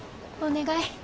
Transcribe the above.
お願い。